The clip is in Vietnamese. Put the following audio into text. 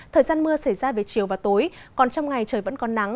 thời gian mưa xảy ra về chiều và tối còn trong ngày trời vẫn còn nắng